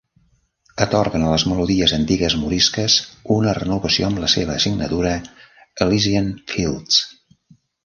Atorguen a les melodies antigues morisques una renovació amb la seva signatura Elysian Fields.